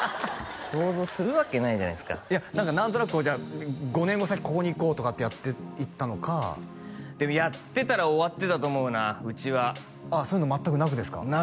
想像するわけないじゃないですかいや何となくじゃ５年後ここにいこうとかってやっていったのかでもやってたら終わってたと思うなウチはそういうの全くなくですか？